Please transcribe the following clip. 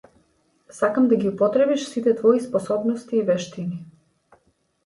Сакам да ги употребиш сите твои способности и вештини.